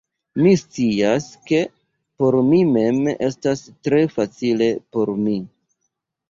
Mi scias, ke por mi mem estas tre facile por mi